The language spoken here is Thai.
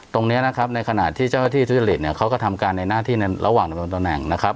ตรงนี้นะครับในขณะที่เจ้าหน้าที่ทุจริตเนี่ยเขาก็ทำการในหน้าที่ในระหว่างดำรงตำแหน่งนะครับ